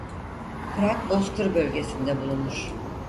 Kurak bozkır bölgesinde bulunur.